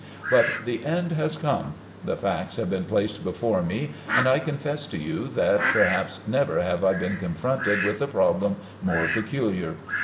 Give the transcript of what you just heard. But the end has come. The facts have been placed before me, and I confess to you that perhaps never have I been confronted with a problem more peculiar.